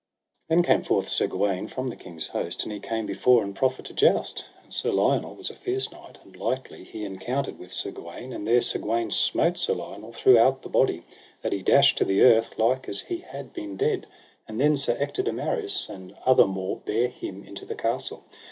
Then came forth Sir Gawaine from the king's host, and he came before and proffered to joust. And Sir Lionel was a fierce knight, and lightly he encountered with Sir Gawaine; and there Sir Gawaine smote Sir Lionel through out the body, that he dashed to the earth like as he had been dead; and then Sir Ector de Maris and other more bare him into the castle.